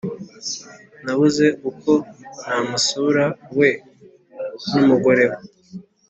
Nabuze uko namusura we numugore we